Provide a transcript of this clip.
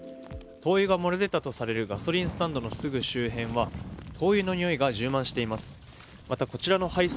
灯油が漏れ出たとされるガソリンスタンドのすぐ周辺は灯油のにおいが充満しています。